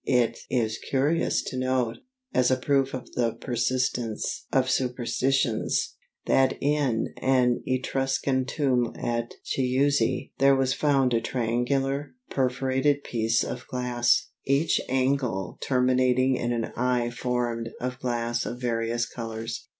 It is curious to note, as a proof of the persistence of superstitions, that in an Etruscan tomb at Chiusi there was found a triangular, perforated piece of glass, each angle terminating in an eye formed of glass of various colors.